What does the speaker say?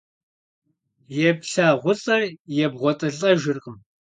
ЕплъагъулӀэр ебгъуэтылӀэжыркъым.